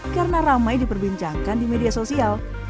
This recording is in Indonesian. karena ramai diperbincangkan di media sosial